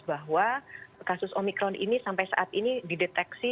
bahwa kasus omikron ini sampai saat ini dideteksi